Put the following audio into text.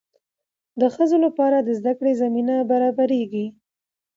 د ښځو لپاره د زده کړې زمینه برابریږي.